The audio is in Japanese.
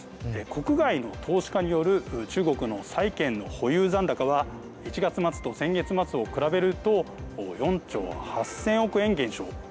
国外の投資家による中国の債券の保有残高は１月末と先月末を比べると４兆８０００億円減少。